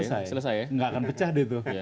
udah selesai nggak akan pecah deh itu